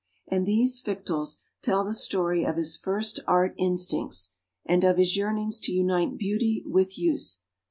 And these Fictiles tell the story of his first Art instincts, and of his yearnings to unite beauty with use.